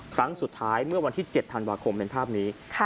ครั้งสุดท้ายเมื่อวันที่๗ธันวาคมเป็นภาพนี้